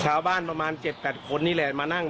ชาวบ้านประมาณ๗๘คนนี่แหละมานั่ง